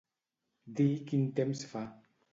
Dir quin temps fa.